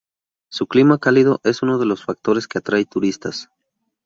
Su clima cálido es uno de los factores que atrae turistas.